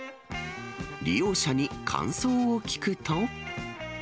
利用者に感想を聞くと。